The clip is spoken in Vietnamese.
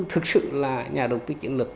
thực sự là nhà đầu tư chiến lược